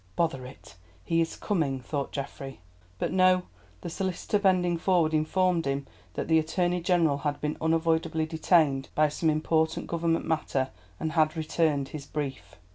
"Bother it, he is coming," thought Geoffrey. But no, the solicitor bending forward informed him that the Attorney General had been unavoidably detained by some important Government matter, and had returned his brief.